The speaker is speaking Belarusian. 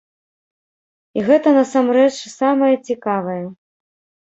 І гэта насамрэч самае цікавае!